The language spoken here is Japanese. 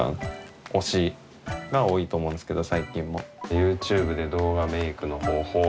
ＹｏｕＴｕｂｅで動画メイクの方法みたいなＢＢ